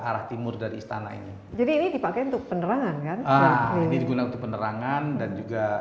arah timur dari istana ini jadi ini dipakai untuk penerangan kan ini digunakan untuk penerangan dan juga